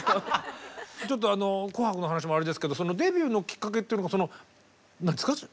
あの「紅白」の話もあれですけどデビューのきっかけっていうのがその何ですか？